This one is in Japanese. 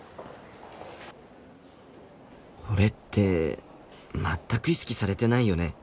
これって全く意識されてないよね